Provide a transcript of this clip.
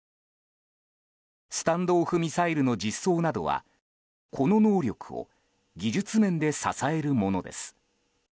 スタンド・オフ・ミサイルの実装などはこの能力を技術面で支えるものです。